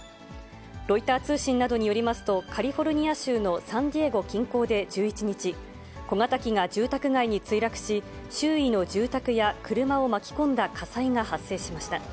ロイター通信などによりますと、カリフォルニア州のサンディエゴ近郊で１１日、小型機が住宅街に墜落し、周囲の住宅や車を巻き込んだ火災が発生しました。